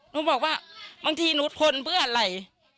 หนูบอกว่าบางทีหนูทนเพื่ออะไร